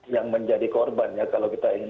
yang menjadi korbannya kalau kita ingin